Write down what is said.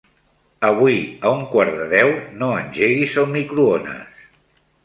Avui a un quart de deu no engeguis el microones.